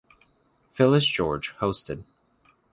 Phyllis George hosted.